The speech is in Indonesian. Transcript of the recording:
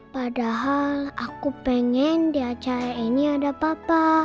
padahal aku pengen di acara ini ada papa